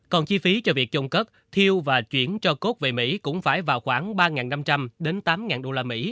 còn chi phí cho việc chôn cất thiêu và chuyển cho cốt về mỹ cũng phải vào khoảng ba năm trăm linh tám usd